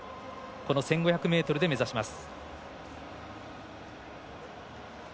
この１５００ｍで目指します。